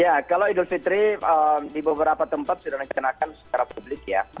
ya kalau idul fitri di beberapa tempat sudah rencanakan secara publik ya